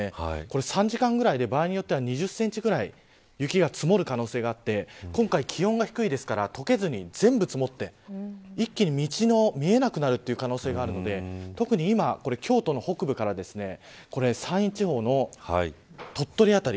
３時間ぐらいで場合によっては２０センチぐらい雪が積もる可能性があって今回、気温が低いですから解けずに全部積もって一気に道が見えなくなる可能性があるので特に今京都の北部から山陰地方の鳥取あたり。